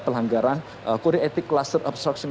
pelanggaran kode etik cluster obstruction